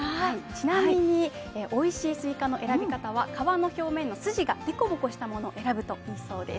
ちなみにおいしいスイカの選び方は、皮の表面の筋がでこぼこしたものを選ぶといいそうです。